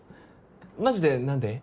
マジで何で？